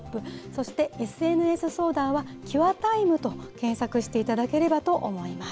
そしてＳＮＳ相談はキュアタイムと検索していただければと思いま